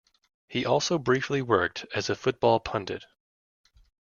He also briefly worked as a football pundit.